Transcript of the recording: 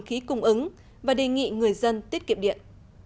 khí cung ứng và đề nghị người dân tiết kiệm điện